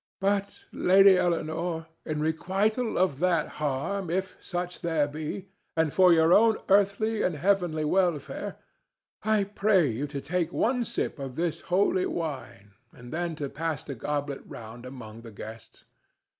"But, Lady Eleanore, in requital of that harm, if such there be, and for your own earthly and heavenly welfare, I pray you to take one sip of this holy wine and then to pass the goblet round among the guests.